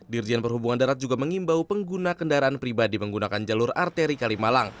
dirjen perhubungan darat juga mengimbau pengguna kendaraan pribadi menggunakan jalur arteri kalimalang